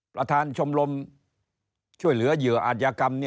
ประธานชมรมช่วยเหลือเหยื่ออาจยากรรม